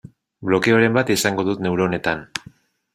Blokeoren bat izango dut neuronetan.